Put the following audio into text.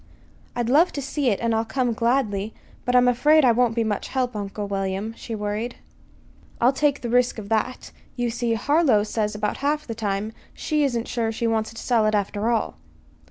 "I'd love to see it, and I'll come gladly; but I'm afraid I won't be much help, Uncle William," she worried. "I'll take the risk of that. You see, Harlow says that about half the time she isn't sure she wants to sell it, after all."